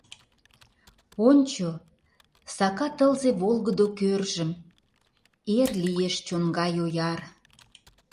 Ончо: сака тылзе волгыдо кӧржым — эр лиеш чон гай ояр.